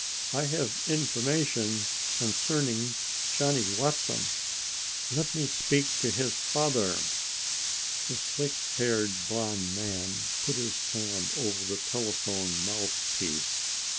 "I have information concerning Johnny Watson. Let me speak to his father." The slick haired blond man put his hand over the telephone mouthpiece.